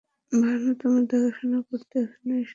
ভানু তোমার দেখাশোনা করতে এখানে এসেছে।